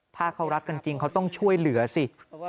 ถ้าเขารักกันจริงเขาต้องช่วยเหลือสิ